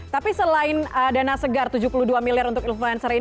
tapi selain dana segar tujuh puluh dua miliar untuk influencer ini